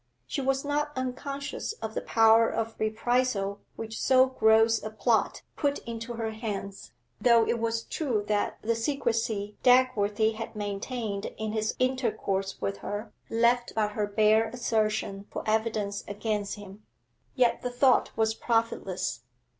She was not unconscious of the power of reprisal which so gross a plot put into her hands, though it was true that the secrecy Dagworthy had maintained in his intercourse with her left but her bare assertion for evidence against him. Yet the thought was profitless.